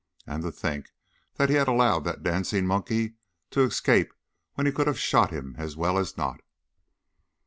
And to think that he had allowed that dancing monkey to escape when he could have shot him as well as not!